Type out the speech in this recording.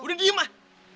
udah diem lah